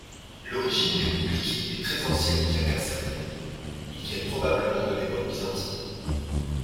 L'origine des boubliki est très ancienne bien qu'incertaine, ils viennent probablement de l'époque byzantine.